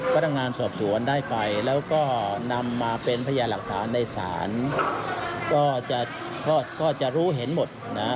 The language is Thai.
พนักงานสอบสวนได้ไปแล้วก็นำมาเป็นพยานหลักฐานในศาลก็จะก็จะรู้เห็นหมดนะ